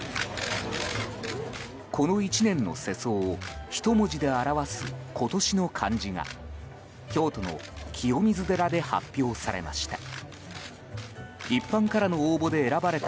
この１年の世相を一文字で表す今年の漢字が京都の清水寺で発表されました。